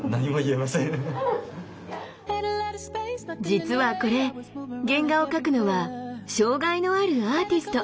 実はこれ原画を描くのは障害のあるアーティスト。